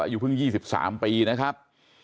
อายุเพิ่ง๒๓ปีนะครับ